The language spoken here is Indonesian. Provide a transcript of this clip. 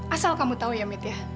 asal kamu tahu ya mit ya